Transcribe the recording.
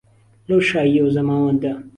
لهو شاییهو زهماوهنده